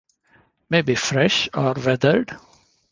May be fresh or weathered.